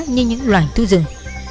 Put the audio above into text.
như những loài thư rừng